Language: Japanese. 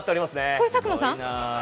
こちら、佐久間さん！？